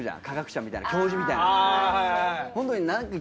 科学者みたいな教授みたいな。